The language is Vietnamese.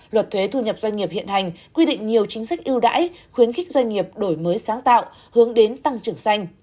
luật thuế thu nhập doanh nghiệp hiện hành quy định nhiều chính sách ưu đãi khuyến khích doanh nghiệp đổi mới sáng tạo hướng đến tăng trưởng xanh